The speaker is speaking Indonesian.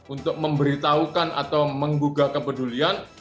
untuk memberitahukan atau menggugah kepedulian